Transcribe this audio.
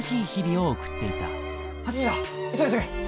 ８時だ急げ急げ。